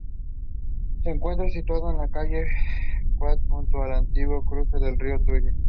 Se encuentra situado en la calle Quart, junto al antiguo cauce del río Turia.